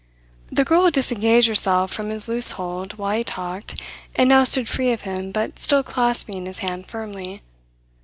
The girl had disengaged herself from his loose hold while he talked, and now stood free of him, but still clasping his hand firmly.